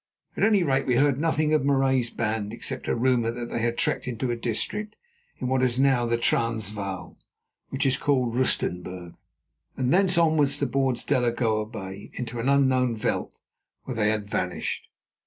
At any rate, we heard nothing of Marais's band except a rumour that they had trekked to a district in what is now the Transvaal, which is called Rustenberg, and thence on towards Delagoa Bay into an unknown veld where they had vanished.